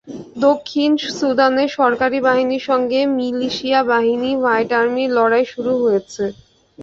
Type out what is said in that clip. দক্ষিণ সুদানে সরকারি বাহিনীর সঙ্গে মিলিশিয়া বাহিনী হোয়াইট আর্মির লড়াই শুরু হয়েছে।